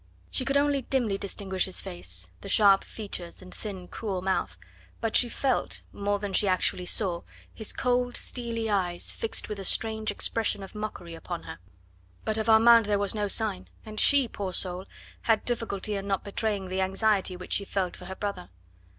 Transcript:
She could only dimly distinguish his face, the sharp features and thin cruel mouth, but she felt more than she actually saw his cold steely eyes fixed with a strange expression of mockery upon her. But of Armand there was no sign, and she poor soul! had difficulty in not betraying the anxiety which she felt for her brother.